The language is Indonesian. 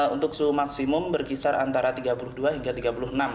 untuk suhu maksimum berkisar antara tiga puluh dua hingga tiga puluh enam